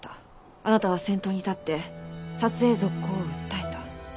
あなたは先頭に立って撮影続行を訴えた。